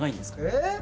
えっ？